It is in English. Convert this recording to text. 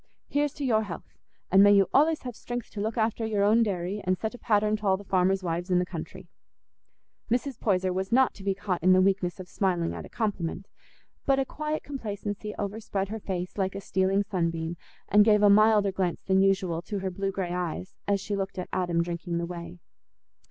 Here's to your health, and may you allays have strength to look after your own dairy, and set a pattern t' all the farmers' wives in the country." Mrs. Poyser was not to be caught in the weakness of smiling at a compliment, but a quiet complacency over spread her face like a stealing sunbeam, and gave a milder glance than usual to her blue grey eyes, as she looked at Adam drinking the whey.